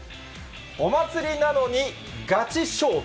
お祭りなのにガチ勝負。